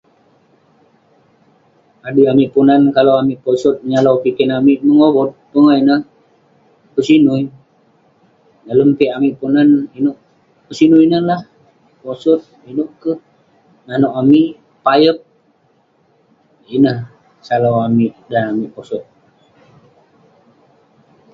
Adui amik Ponan, kalau amik posot, menyalau piken amik, mengovot. Pongah ineh, pesinui. Dalem piak amik Ponan, inouk- pesinui ineh lah. Posot, inouk kek nanouk amik, payeg. Ineh salau amik dan amik posot.